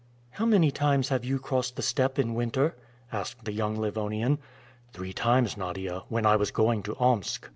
"How many times have you crossed the steppe in winter?" asked the young Livonian. "Three times, Nadia, when I was going to Omsk."